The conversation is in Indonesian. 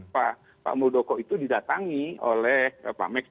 pak budoko itu didatangi oleh pak meksik